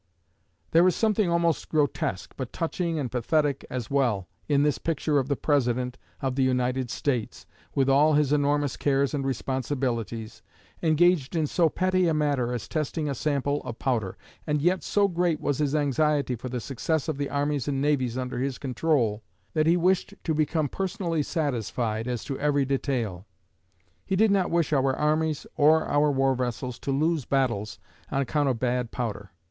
There is something almost grotesque, but touching and pathetic as well, in this picture of the President of the United States, with all his enormous cares and responsibilities, engaged in so petty a matter as testing a sample of powder. And yet so great was his anxiety for the success of the armies and navies under his control that he wished to become personally satisfied as to every detail. He did not wish our armies or our war vessels to lose battles on account of bad powder.